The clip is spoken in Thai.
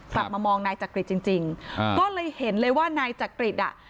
กลับมามองนายจักริตจริงจริงอ่าก็เลยเห็นเลยว่านายจักริตอ่ะ